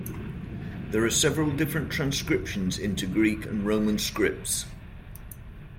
There are several different transcriptions into Greek and Roman scripts.